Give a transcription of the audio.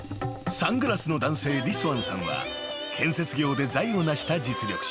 ［サングラスの男性リスワンさんは建設業で財を成した実力者］